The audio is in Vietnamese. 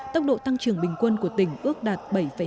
tốc độ tăng trưởng bình quân của tỉnh ước đạt bảy hai mươi năm